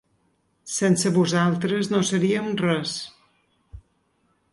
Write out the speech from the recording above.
Sense vosaltres no seríem res.